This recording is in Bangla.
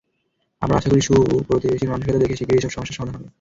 আমরা আশা করি, সুপ্রতিবেশীর মানসিকতা দেখিয়ে শিগগিরই এসব সমস্যার সমাধান হবে।